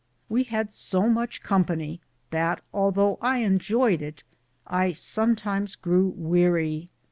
We had so much company that, though I enjoyed it, I sometimes grew weary.